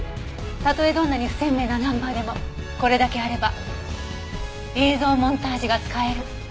たとえどんなに不鮮明なナンバーでもこれだけあれば映像モンタージュが使える。